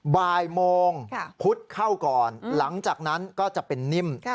บ่ายโมงพุธเข้าก่อนหลังจากนั้นก็จะเป็นนิ่ม